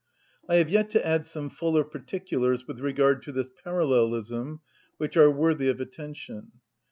I have yet to add some fuller particulars with regard to this parallelism, which are worthy of attention.